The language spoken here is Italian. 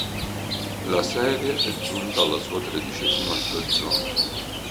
La serie è giunta alla sua tredicesima stagione.